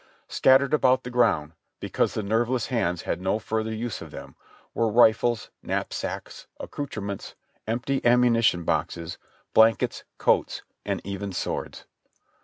Scattered about on the ground, because the nerveless hands had no further use for them, were rifles, knapsacks, accoutrements, empty am munition boxes, blankets, coats, and even swords.